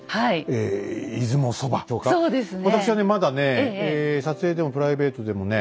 え出雲そばとかわたくしはねまだね撮影でもプライベートでもね